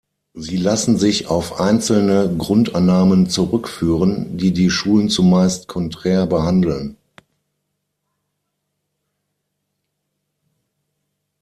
Sie lassen sich auf einzelne Grundannahmen zurückführen, die die Schulen zumeist konträr behandeln.